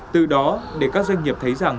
từ đó để các doanh nghiệp thấy rằng